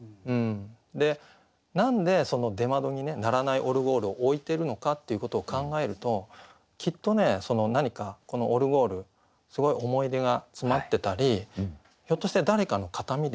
で何で出窓にねならないオルゴールを置いてるのかっていうことを考えるときっとね何かこのオルゴールすごい思い出が詰まってたりひょっとして誰かの形見であったり。